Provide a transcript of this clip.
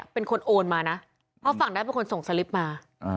เป็นคนโอนมานะเพราะฝั่งนั้นเป็นคนส่งสลิปมา